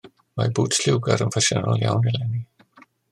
Mae bŵts lliwgar yn ffasiynol iawn eleni.